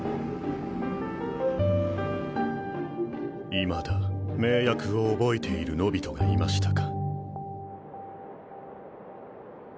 いまだ盟約を覚えているノビトがいましたか。